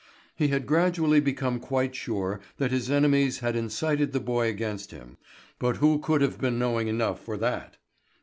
He had gradually become quite sure that his enemies had incited the boy against him; but who could have been knowing enough for that?